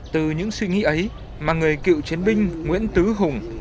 từ những suy nghĩ ấy mà người cựu chiến binh nguyễn tứ hùng